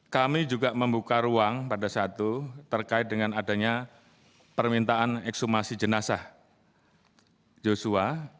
kami juga membuka ruang pada satu terkait dengan adanya permintaan ekshumasi jenazah joshua